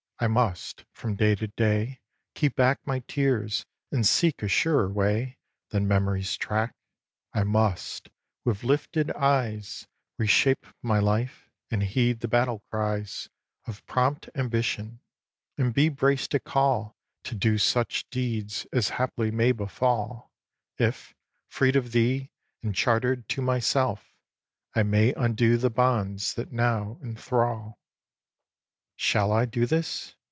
I must, from day to day, Keep back my tears, and seek a surer way Than Memory's track. I must, with lifted eyes, Re shape my life, and heed the battle cries Of prompt ambition, and be braced at call To do such deeds as haply may befall, If, freed of thee, and charter'd to myself, I may undo the bonds that now enthrall. xv. Shall I do this?